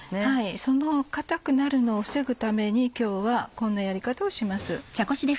その硬くなるのを防ぐために今日はこんなやり方をします。